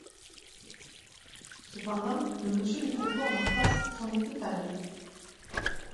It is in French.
Cependant, le monsieur du trottoir d'en face s'en était allé.